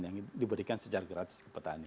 yang diberikan secara gratis ke petani